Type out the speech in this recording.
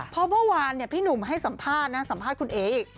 เพราะเมื่อวานพี่นุ่มให้สัมภาษณ์คุณเอ๋ออก